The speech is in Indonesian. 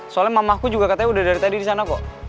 soalnya mamaku juga katanya udah dari tadi di sana kok